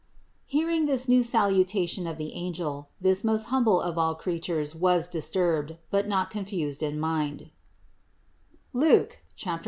Hearing this new sal utation of the angel, this most humble of all creatures was disturbed, but not confused in mind (Luke 1, 29).